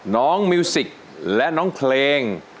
มิวสิกและน้องเพลง